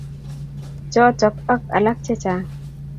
Chotok ak alak chechang.